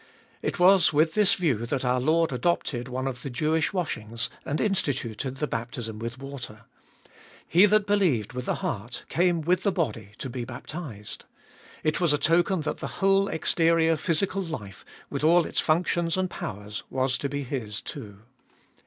It was with this view that our Lord adopted one of the Jewish washings, and instituted the baptism with water. He that believed with the heart, came with the body to be baptized. It was a token that the whole exterior physical life, with all its functions and powers, was to be His too.